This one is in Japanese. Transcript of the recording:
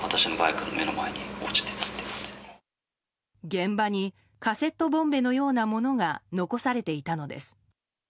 現場にカセットボンベのようなものが残されていたのです。